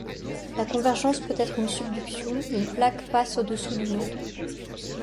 La convergence peut être une subduction, une plaque passe au-dessous d'une autre.